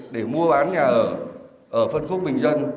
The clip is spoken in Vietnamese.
để mua ván nhà ở ở phân khúc bình dân